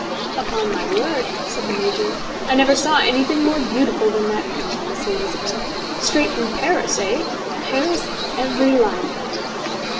"Upon my word," said the Major, "I never saw anything more beautiful than that gown, Miss Elizabeth. Straight from Paris, eh? Paris in every line of it."